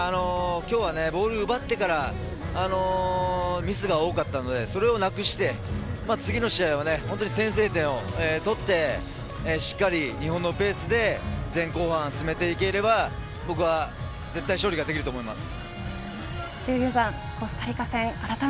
今日はボール奪ってからミスが多かったのでそれをなくして次の試合は先制点を取ってしっかり日本のペースで前後半進めていければ僕は、絶対勝利ができると思います。